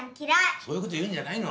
そういう事言うんじゃないの！